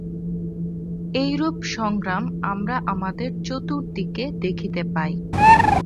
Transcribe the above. এইরূপ সংগ্রাম আমরা আমাদের চতুর্দিকে দেখিতে পাই।